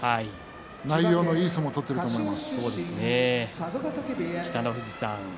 内容のいい相撲を取っていると思います。